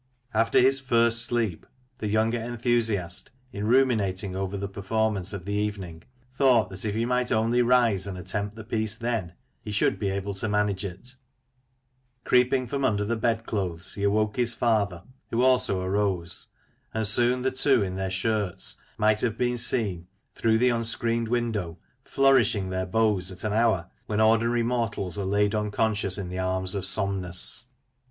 After his "first sleep," the younger enthusiast, in ruminating over the performance of the evening, thought that if he might only rise and attempt the piece then^ he should be able to manage it Creeping from under the bed clothes, he awoke his father, who also arose ; and soon the two in their shirts might have been seen, through the unscreened window, flourishing their bows at an hour when 90 Lancashire Cfiaracters and Places. ordinary mortals are laid unconscious in the arms of Somnus.